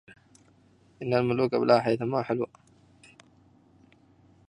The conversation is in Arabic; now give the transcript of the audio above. إن الملوك بلاء حيثما حلوا